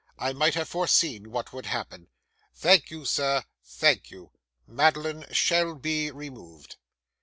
I might have foreseen what would happen. Thank you, sir, thank you. Madeline shall be removed.